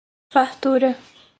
Fartura